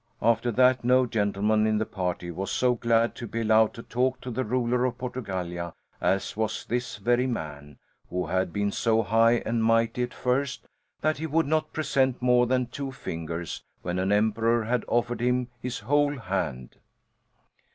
After that no gentleman in the party was so glad to be allowed to talk to the ruler of Portugallia as was this very man, who had been so high and mighty at first that he would not present more than two fingers, when an emperor had offered him his whole hand.